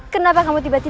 kepada ketiga dukun santri